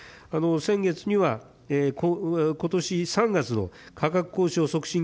先月にはことし３月の価格交渉促進